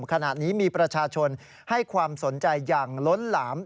ขณะนี้มีประชาชนให้ความสนใจอย่างล้นหลาม